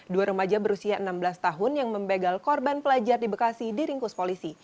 dua remaja berusia enam belas tahun yang membegal korban pelajar di bekasi diringkus polisi